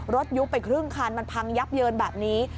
ยุบไปครึ่งคันมันพังยับเยินแบบนี้